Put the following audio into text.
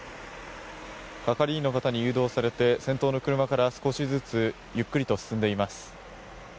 係員の方に誘導されて先頭の車から少しずつゆっくりと進んでいます。